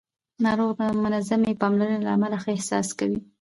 ناروغ د منظمې پاملرنې له امله ښه احساس کوي